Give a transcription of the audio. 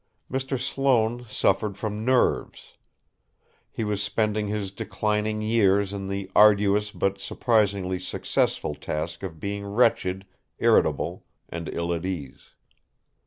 Mr. Sloane suffered from "nerves." He was spending his declining years in the arduous but surprisingly successful task of being wretched, irritable and ill at ease.